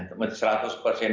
untuk mengurangi penurunannya